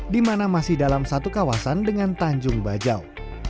dimana masih dalam satu kawasan dengan tanjung bajau